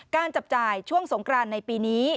จับจ่ายช่วงสงครานในปีนี้